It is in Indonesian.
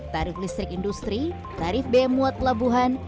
tarif listrik industri tarif b muat pelabuhan